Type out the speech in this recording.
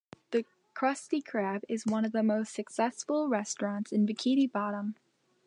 The Krusty Krab is one of the most successful restaurants in Bikini Bottom.